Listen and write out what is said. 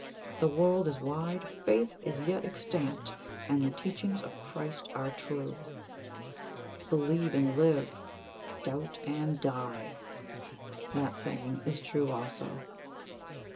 The world is wide faith is yet extant and the teachings of Christ are true. 'Believe and live; doubt and die!' That saying is true also."